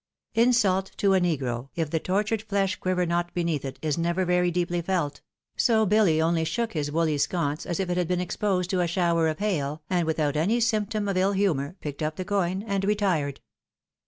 Insult to a negro, if the tortured flesh quiver not beneath it, is never very deeply felt ; so BUly only shook his woolly sconce as if it had been exposed to a shower of hail, and without any symptom of iU humour, picked up the coin and retired.